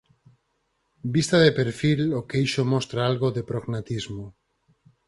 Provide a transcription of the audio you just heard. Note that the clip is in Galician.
Vista de perfil o queixo mostra algo de prognatismo.